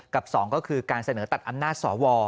กับ๒ก็คือการเสนอตัดอำนาจสว